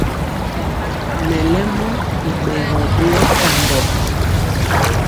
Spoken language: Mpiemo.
Mɛlɛmɔ i ɓɛgɔ ɓeyɔ tambɔ.